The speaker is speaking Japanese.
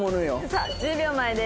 さあ１０秒前です。